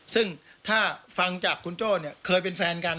ซึ่งถ้าฟังจากคุณโจ้เนี่ยเคยเป็นแฟนกัน